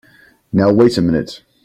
Now wait a minute!